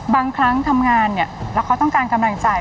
บางครั้งทำงานเนี่ยแล้วเขาต้องการกำลังใจ